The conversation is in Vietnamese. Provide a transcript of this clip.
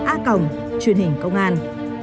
a cồng truyện hình công an